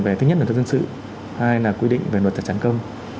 về thứ nhất là thuận dân sự thứ hai là quy định về luật tật tràn công